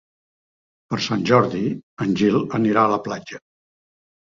Per Sant Jordi en Gil anirà a la platja.